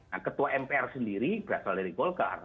nah ketua mpr sendiri berasal dari golkar